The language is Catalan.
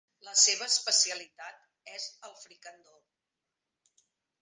La seva especialitat és el fricandó.